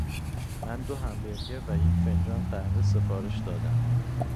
من دو همبرگر و یک فنجان قهوه سفارش دادم.